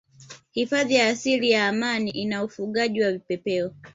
Hifadhi ya asili ya Amani ina ufugaji wa Vipepeo